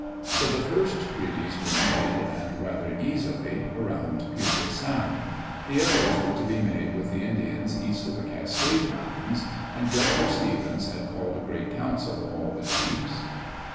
So the first treaties were made, and rather easily, around Puget Sound. The others were to be made with the In dians east of the Cascade Mountains, and Governor Stevens had called a great council of all the chiefs.